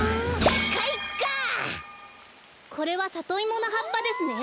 これはサトイモのはっぱですね。